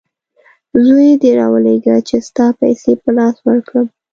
زوی دي راولېږه چې ستا پیسې په لاس ورکړم!